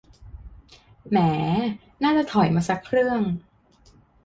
แหม น่าจะถอยมาสักเครื่อง